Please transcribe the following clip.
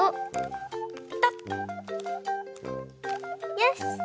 よし！